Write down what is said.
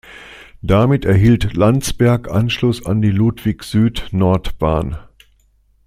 Damit erhielt Landsberg Anschluss an die Ludwig-Süd-Nord-Bahn.